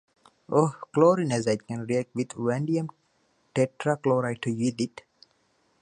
Or chlorine azide can react with vanadium tetrachloride to yield it.